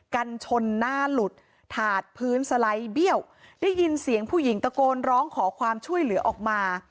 กันชนหน้าหลุดถาดพื้นสไลด์เบี้ยวได้ยินเสียงผู้หญิงตะโกนร้องขอความช่วยเหลือออกมา